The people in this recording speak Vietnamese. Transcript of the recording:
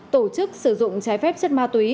tổ chức sử dụng trái phép chất ma túy